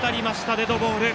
デッドボール。